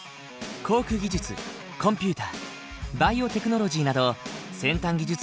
航空技術コンピューターバイオテクノロジーなど先端技術